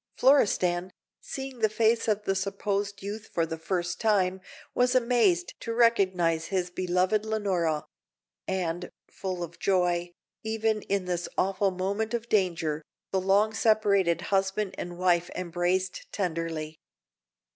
Florestan, seeing the face of the supposed youth for the first time, was amazed to recognise his beloved Leonora; and full of joy, even in this awful moment of danger, the long separated husband and wife embraced tenderly.